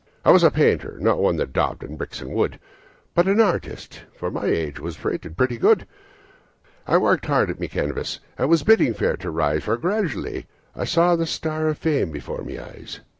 "I was a painter not one that daubed on bricks and wood, But an artist, and for my age, was rated pretty good. I worked hard at my canvas, and was bidding fair to rise, For gradually I saw the star of fame before my eyes.